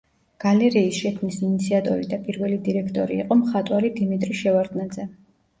გალერეის შექმნის ინიციატორი და პირველი დირექტორი იყო მხატვარი დიმიტრი შევარდნაძე.